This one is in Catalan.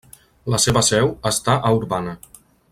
La seva seu està a Urbana.